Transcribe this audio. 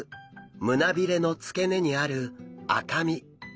胸びれの付け根にある赤身。